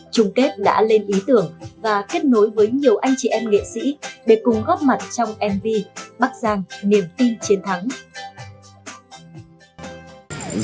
chung kết đã lên ý tưởng và kết nối với nhiều anh chị em nghệ sĩ để cùng góp mặt trong mv bắc giang niềm tin chiến thắng